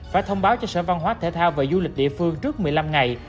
phải thông báo cho sở văn hóa thể thao và du lịch địa phương trước một mươi năm ngày